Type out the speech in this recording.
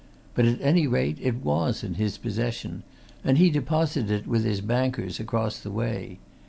But at any rate, it was in his possession, and he deposited it with his bankers across the way.